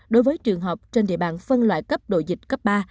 đối với trường hợp trên địa bàn phân loại cấp độ dịch cấp ba